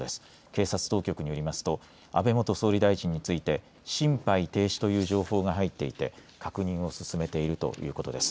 警察当局によりますと安倍元総理大臣について心肺停止という情報が入っていて確認を進めているということです。